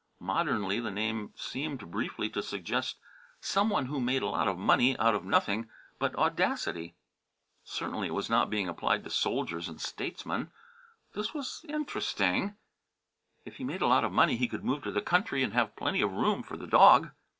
Modernly the name seemed briefly to suggest some one who made a lot of money out of nothing but audacity. Certainly it was not being applied to soldiers or statesmen. This was interesting. If he made a lot of money he could move to the country and have plenty of room for the dog.